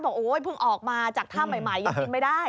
โอ๊ยเพิ่งออกมาจากถ้ำใหม่ยังกินไม่ได้